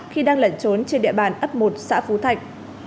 khi đang lẩn trốn trên địa bàn ấp một xã phú thạnh